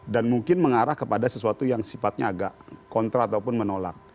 mungkin mengarah kepada sesuatu yang sifatnya agak kontra ataupun menolak